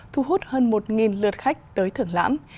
thu hút hơn một lượt khách tới thưởng lãm